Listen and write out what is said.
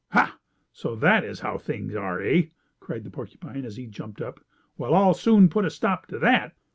"Ha! So that is how things are, eh?" cried the porcupine, as he jumped up. "Well, I'll soon put a stop to that!"